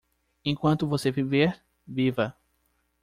Enquanto você viver - viva!